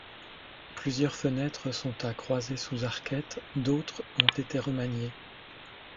Plusieurs fenêtres sont à croisées sous arquettes, d'autres ont été remaniées.